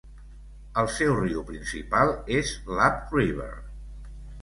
El seu riu principal és Lab River.